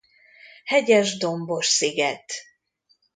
Hegyes-dombos sziget.